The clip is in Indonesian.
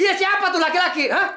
iya siapa tuh laki laki